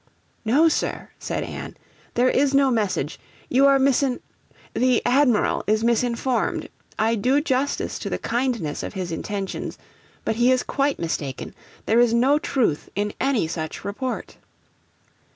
'No, Sir,' said Anne; 'there is no message. You are misin the Admiral is misinformed. I do justice to the kindness of his intentions, but he is quite mistaken. There is no truth in any such report.'